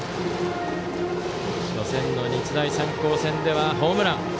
初戦の日大三高戦ではホームラン。